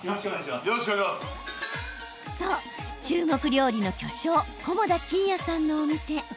そう、中国料理の巨匠菰田欣也さんのお店。